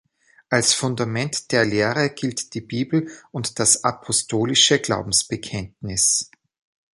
Als Fundament der Lehre gilt die Bibel und das apostolische Glaubensbekenntnis.